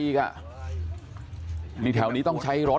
ที่ถึงแถวนี้ต้องใช้รถ